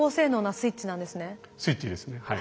スイッチですねはい。